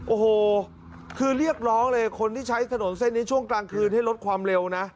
โอ้โหคือเรียกร้องเลยคนที่ใช้ถนนเส้นนี้ช่วงกลางคืนให้ลดความเร็วนะ